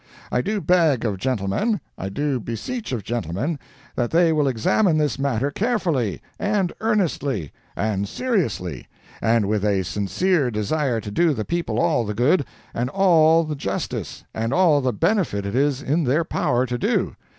I do beg of gentlemen—I do beseech of gentlemen—that they will examine this matter carefully, and earnestly, and seriously, and with a sincere desire to do the people all the good, and all the justice, and all the benefit it is in their power to do.